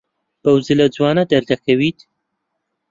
بەو جلە جوان دەردەکەوێت.